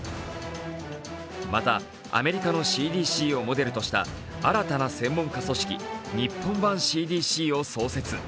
またアメリカのＣＤＣをモデルとした新たな専門家組織日本版ＣＤＣを創設。